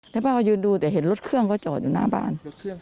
แล้วป้าก็ยืนดูแต่เห็นรถเครื่องก็จอดอยู่หน้าบ้าน